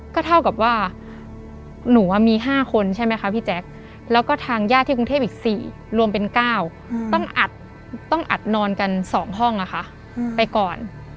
ก็เท่ากับว่าหนูว่ามีห้าคนใช่ไหมคะพี่แจ๊คแล้วก็ทางญาติที่กรุงเทพฯอีกสี่รวมเป็นเก้าต้องอัดต้องอัดนอนกันสองห้องอะค่ะไปก่อน